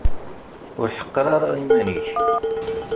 Ur ḥeqqer ara iman-ik.